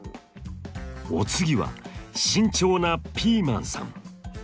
お次は慎重なピーマンさん。